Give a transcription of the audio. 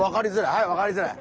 はい分かりづらい。